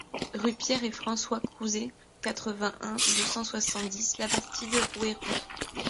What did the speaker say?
Rue Pierre et François Crouzet, quatre-vingt-un, deux cent soixante-dix Labastide-Rouairoux